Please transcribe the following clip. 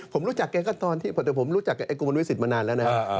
ผมรู้จักแกก็ตอนที่แต่ผมรู้จักไอ้กุมนุยสิทธิ์มานานแล้วนะครับ